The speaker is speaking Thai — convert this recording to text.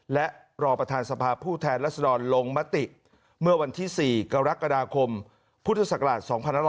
และรอประธานสภาพผู้แทนรัศดรลงมติเมื่อวันที่๔กรกฎาคมพุทธศักราช๒๕๖๒